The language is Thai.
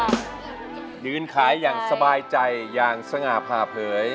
ยืนขายอย่างสบายใจอย่างสง่าผ่าเผย